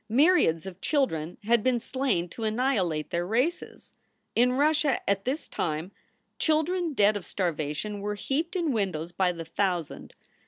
Myriads of children had been slain to anni hilate their races. In Russia at this time children dead of starvation were heaped in windrows by the thousand.